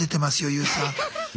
ＹＯＵさん。